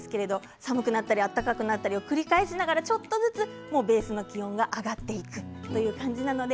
寒くなったり暖かくなったりを繰り返しながらちょっとずつベースの気温が上がっていく感じです。